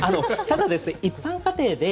ただ、一般家庭で。